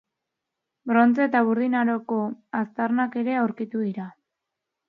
Brontze eta Burdin Aroko aztarnak ere aurkitu dira.